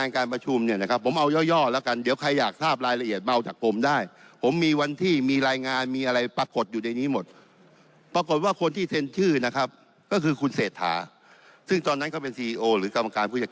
ก็จะมีรายงานการประชุม